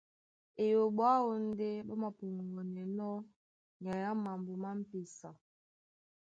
Eyoɓo aó ndé ɓá māpɔŋgɔnɛnɔ́ nyai á mambo má m̀pesa.